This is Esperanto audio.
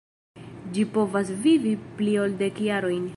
Ĝi povas vivi pli ol dek jarojn.